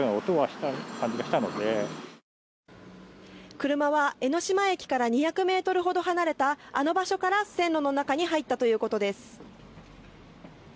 車は江ノ島駅から２００ｍほど離れたあの場所から線路の中に入ったということです。